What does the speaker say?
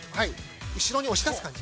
後ろに押し出す感じ。